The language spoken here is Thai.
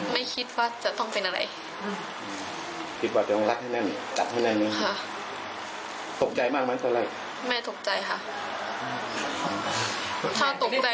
ไม่ตกใจค่ะถ้าตกใจจะไม่มีสติเกาะ